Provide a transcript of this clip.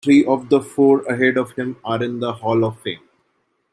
Three of the four ahead of him are in the Hall of Fame.